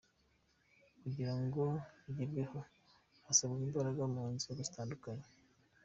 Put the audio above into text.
Kugirango bigerweho harasabwa imbaraga mu nzego zitandukanye.